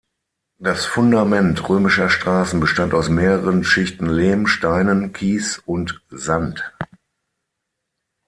Das Fundament römischer Straßen bestand aus mehreren Schichten Lehm, Steinen, Kies und Sand.